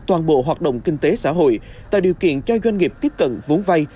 toàn bộ hoạt động kinh tế xã hội tạo điều kiện cho doanh nghiệp tiếp cận vốn vay